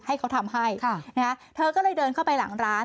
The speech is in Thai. ให้เขาทำให้เธอก็เลยเดินเข้าไปหลังร้าน